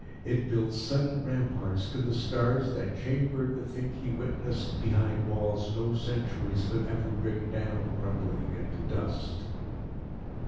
It built sudden ramparts to the stars that chambered the thing he witnessed behind walls no centuries could ever bring down crumbling into dust.